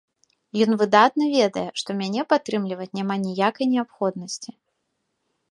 Ён выдатна ведае, што мяне падтрымліваць няма ніякай неабходнасці.